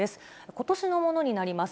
ことしのものになります。